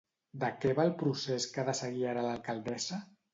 De què va el procés que ha de seguir ara l'alcaldessa?